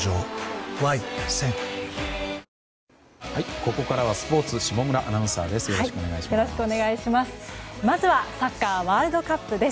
ここからはスポーツ下村アナウンサーです。